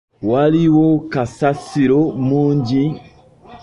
Waliwo kasasiro mungi.